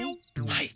はい。